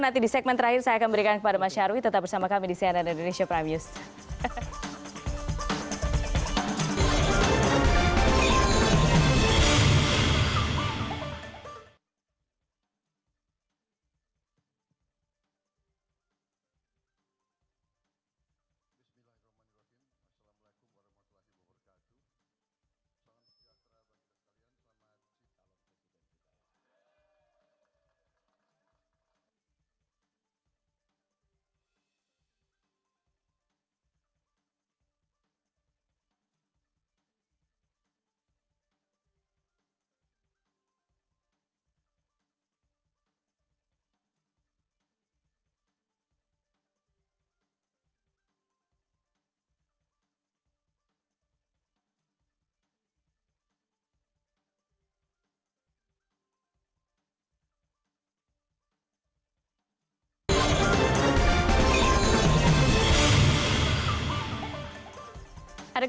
oke syukur kalau presiden jokowi dodo sadar